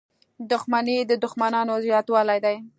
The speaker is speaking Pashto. • دښمني د دوښمنانو زیاتوالی دی.